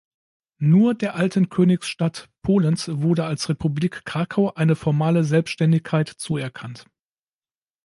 Nur der alten Königsstadt Polens wurde als Republik Krakau eine formale Selbständigkeit zuerkannt.